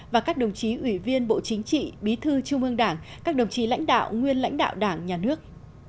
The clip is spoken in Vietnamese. và các đồng chí ủy viên bộ chính trị bí thư trung ương đảng các đồng chí lãnh đạo nguyên lãnh đạo đảng nhà nước